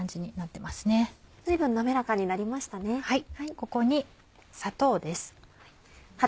ここに砂糖です。